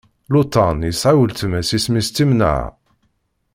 Luṭan yesɛa weltma-s isem-is Timnaɛ.